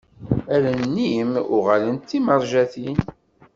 Allen-im uɣalent d timerjatin.